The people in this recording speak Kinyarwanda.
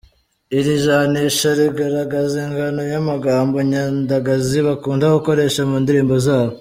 Iri janisha rigaragaza ingano y’amagambo nyandagazi bakunda gukoresha mu ndirimbo zabo.